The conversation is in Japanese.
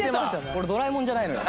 俺ドラえもんじゃないのよ。